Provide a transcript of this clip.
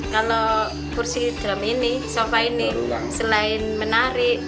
kalau kursi dalam sofa ini selain menarik